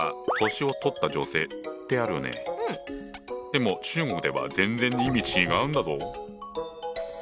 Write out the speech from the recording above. でも中国では全然意味違うんだぞ。